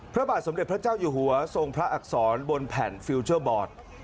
พระบาทสมเด็จพระเจ้าอยู่หัวทรงพระอักษรบนแผ่นฟิลเจอร์บอร์ด